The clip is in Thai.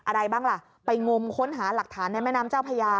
อะไรบ้างล่ะไปงมค้นหาหลักฐานในแม่น้ำเจ้าพญา